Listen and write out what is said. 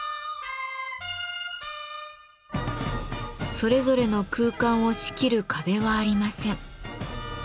それぞれの空間を仕切る壁はありません。